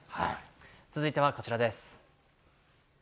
続いてはこちらです。